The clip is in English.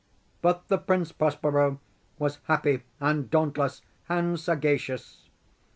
But the Prince Prospero was happy and dauntless and sagacious.